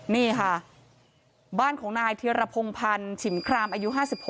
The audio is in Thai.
นี่ค่ะบ้านของนายธิรพงพันธ์ฉิมครามอายุ๕๖